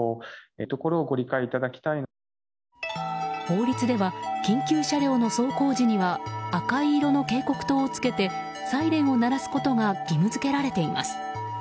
法律では緊急車両の走行時には赤い色の警告灯をつけてサイレンを鳴らすことが義務付けられています。